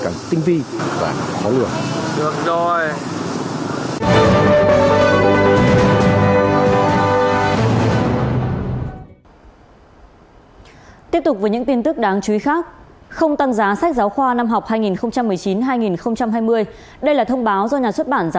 nên cần tinh vi và khó lượng